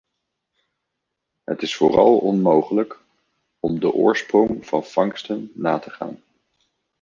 Het is vooral onmogelijk om de oorsprong van vangsten na te gaan.